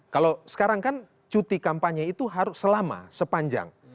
kalau sekarang kan cuti kampanye itu harus selama sepanjang